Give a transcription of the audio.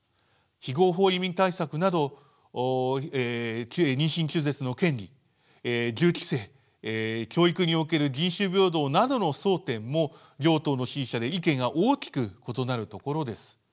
非合法移民対策など妊娠中絶の権利銃規制教育における人種平等などの争点も両党の支持者で意見が大きく異なるところです。